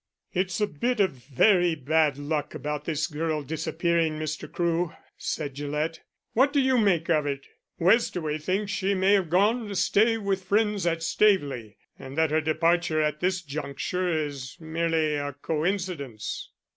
"It's a bit of very bad luck about this girl disappearing, Mr. Crewe," said Gillett. "What do you make of it? Westaway thinks she may have gone to stay with friends at Staveley, and that her departure at this juncture is merely a coincidence."